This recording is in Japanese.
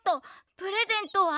プレゼントは？